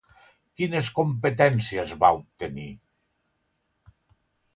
Quines competències va obtenir?